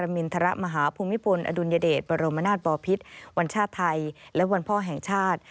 มหาภูมิพลอดุลยเดชประโลมนาทบอพิษวันชาติไทยและวันพ่อแห่งชาติ